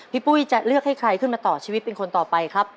ปุ้ยจะเลือกให้ใครขึ้นมาต่อชีวิตเป็นคนต่อไปครับ